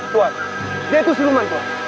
tuan dia itu siluman tuan